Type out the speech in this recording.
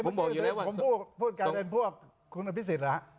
ผมบอกอยู่แล้วว่าทำพวกครูนันภิษศิษฐ์หรอ